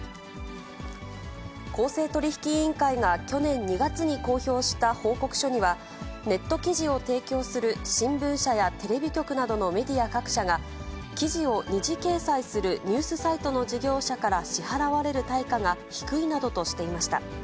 公正取引委員会が、去年２月に公表した報告書には、ネット記事を提供する新聞社やテレビ局などのメディア各社が、記事を２次掲載するニュースサイトの事業者から支払われる対価が低いなどとしていました。